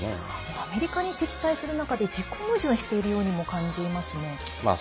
アメリカに敵対する中で自己矛盾しているようにも感じますね。